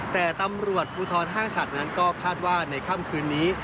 แต่ตำรวจภูทรห้างฉัดนั้นก็คาดว่าในค่ำคืนนี้